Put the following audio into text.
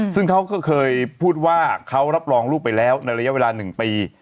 ซึ่งเขาก็เคยพูดว่าเขารับรองลูกไปแล้วในระยะเวลา๑ปี